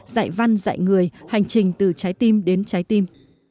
dạy văn dạy người hành trình từ trái tim đến trái tim